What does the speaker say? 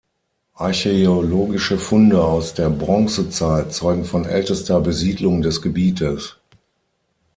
Archäologische Funde aus der Bronzezeit zeugen von ältester Besiedlung des Gebietes.